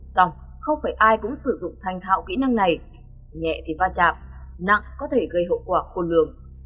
xong không phải ai cũng sử dụng thành thạo kỹ năng này nhẹ thì va chạm nặng có thể gây hậu quả khôn lường